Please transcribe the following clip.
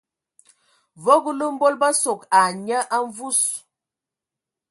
Vogolo mbol bə sogo ai nye a mvus.